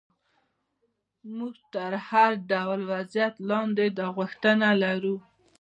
موږ تر هر ډول وضعیت لاندې دا غوښتنه لرو.